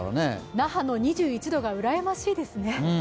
那覇の２１度がうらやましいですね。